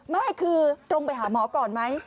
ไม่คือตรงไปหาหมอก่อนไหม